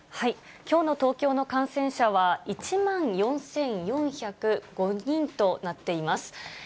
きょうの東京の感染者は１万４４４５人となっています。